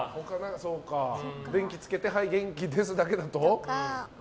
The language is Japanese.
電気つけてはい元気ですだけだと。